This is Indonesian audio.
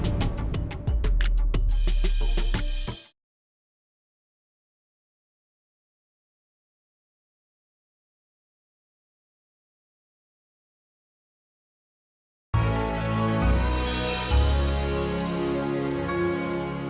tidak ada yang bisa diberikan